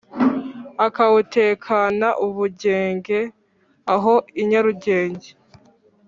akawutekana ubugenge aho i nyarugenge.